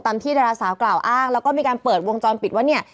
ที่ดาราสาวกล่าวอ้างแล้วก็มีการเปิดวงจรปิดว่าเนี่ย